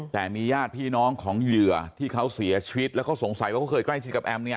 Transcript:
แต่มีญาติพี่น้องของเหยื่อที่เขาเสียชีวิตแล้วเขาสงสัยว่าเขาเคยใกล้ชิดกับแอมเนี่ย